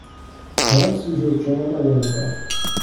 Perhaps we should join a wine club.